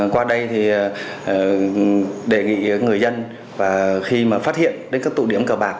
qua đây đề nghị người dân khi phát hiện đến các tụ điểm cờ bạc